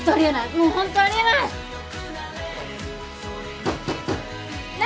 もうホントありえない何？